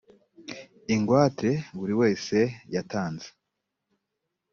ingwate buri wese yatanze